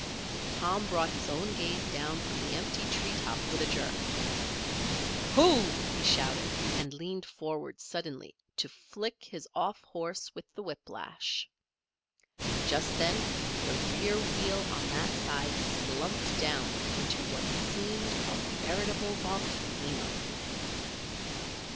Tom brought his own gaze down from the empty tree top with a jerk. "Hoo!" he shouted, and leaned forward suddenly to flick his off horse with the whiplash. Just then the rear wheel on that side slumped down into what seemed a veritable volcano.